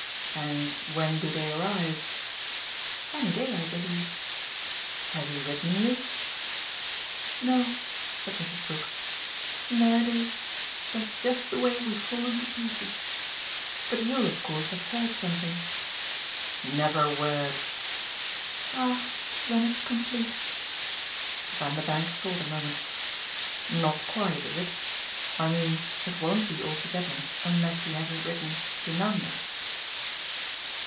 "And when do they arrive?" "Any day, I believe." "Has he written you?" "No," said Mrs. Brook "there it is. That's just the way we've fallen to pieces. But you'll of course have heard something." "Never a word." "Ah then it's complete." Vanderbank thought a moment. "Not quite, is it? I mean it won't be altogether unless he hasn't written to Nanda."